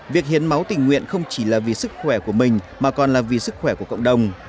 việc hiến máu tình nguyện không chỉ là vì sức khỏe của mình mà còn là vì sức khỏe của cộng đồng